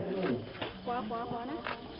ขวาขวาขวานะ